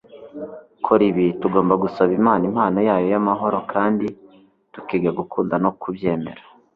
kora ibi tugomba gusaba imana impano yayo y'amahoro kandi tukiga gukunda no kubyemera